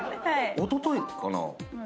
おとといかな？